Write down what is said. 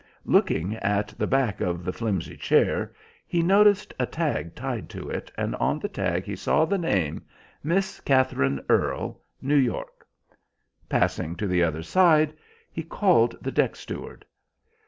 Looking at the back of the flimsy chair he noticed a tag tied to it, and on the tag he saw the name, "Miss Katherine Earle, New York." Passing to the other side he called the deck steward.